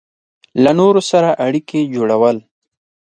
له نورو سره اړیکې جوړول